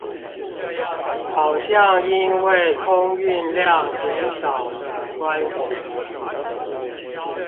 好像因為空運量減少的關係